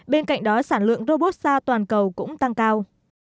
bên cạnh đó sản lượng robusta toàn cầu cũng tăng cao